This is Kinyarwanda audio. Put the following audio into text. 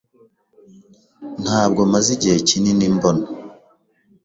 Ntabwo maze igihe kinini mbona.